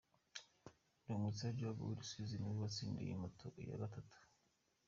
Ndungutse Job w'i Rusizi niwe watsindiye iyi moto ya gatatu.